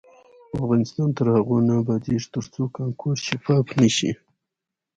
افغانستان تر هغو نه ابادیږي، ترڅو کانکور شفاف نشي.